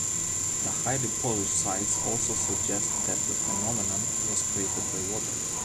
The highly polished sides also suggest that the phenomenon was created by water.